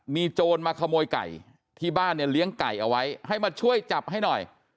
มีโจรมาขโมยไก่ที่บ้านเนี่ยเลี้ยงไก่เอาไว้ให้มาช่วยจับให้หน่อย